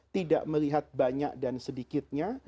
tidak melihat banyak dan sedikitnya